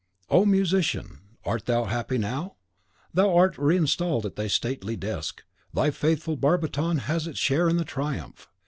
O Musician! art thou happy now? Thou art reinstalled at thy stately desk, thy faithful barbiton has its share in the triumph.